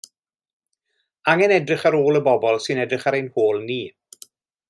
Angen edrych ar ôl y bobl sy'n edrych ar ein hôl ni.